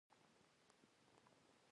واڼه راغلې ده چې اوړه واڼي